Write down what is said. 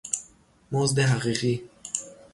مزد حقیقی